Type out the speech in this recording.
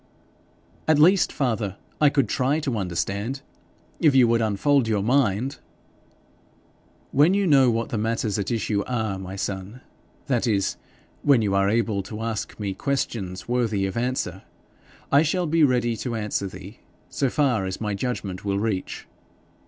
'At least, father, I could try to understand, if you would unfold your mind.' 'When you know what the matters at issue are, my son, that is, when you are able to ask me questions worthy of answer, I shall be ready to answer thee, so far as my judgment will reach.'